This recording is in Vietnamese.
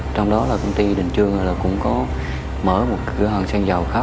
trong đó là công ty đình dương cũng có mở một cửa hòn xe dầu khác